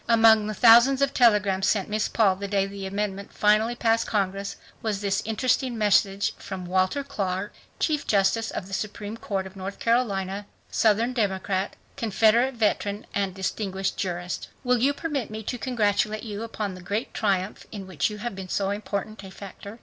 Among the thousands of telegrams sent Miss Paul the day the amendment finally passed Congress was this interesting message from Walter Clark, Chief Justice of the Supreme Court of North Carolina, Southern Democrat, Confederate Veteran and distinguished jurist: "Will you permit me to congratulate you upon the great triumph in which you have been so important a factor?